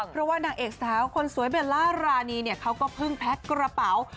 เพราะว่านางเอกสาวคนสวยเบลล่ารานีเนี่ยเขาก็เพิ่งแพ็คกระเป๋า